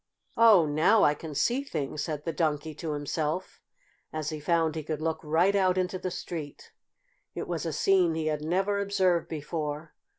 "Oh, now I can see things!" said the Donkey to himself, as he found he could look right out into the street. It was a scene he had never observed before.